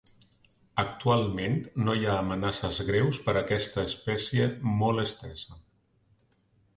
Actualment no hi ha amenaces greus per aquesta espècie molt estesa.